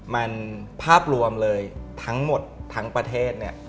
มันภาพรวมเลยทั้งหมดทั้งประเทศเนี่ย